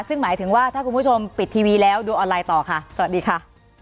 ซึ่งหมายถึงว่าถ้าคุณผู้ชมปิดทีวีแล้วดูออนไลน์ต่อค่ะสวัสดีค่ะ